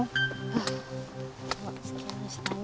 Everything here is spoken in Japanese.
はぁ着きましたね。